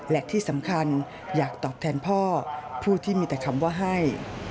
และที่สำคัญอยากตอบแทนพ่อผู้ที่มีแต่คำว่าให้